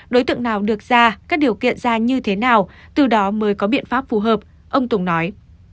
đối tượng nào được ra các điều kiện ra như thế nào từ đó mới có biện pháp phù hợp ông tùng nói